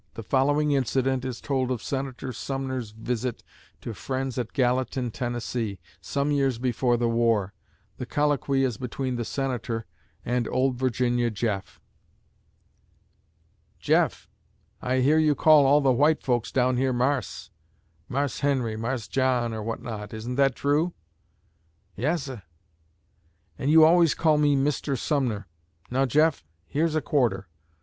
The following incident is told of Senator Sumner's visit to friends at Gallatin, Tennessee, some years before the war; the colloquy is between the Senator and "Old Virginia Jeff:" "Jeff, I hear you call all the white folks down here 'Marse' 'Marse Henry,' 'Marse John' or what not, isn't that true?" "Yas, sah." "And you always call me 'Mister Sumner.' Now, Jeff, here's a quarter.